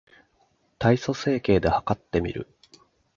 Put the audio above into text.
体組成計で計ってみる